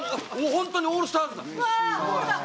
ホントにオールスターズだ！